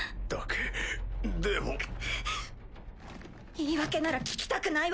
言い訳なら聞きたくないわ。